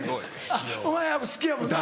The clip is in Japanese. あっお前ら好きやもんな。